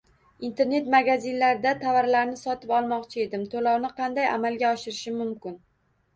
Internet magazinlarda tovarlarni sotib olmoqchi edim, to‘lovni qanday amalga oshirishim mumkin?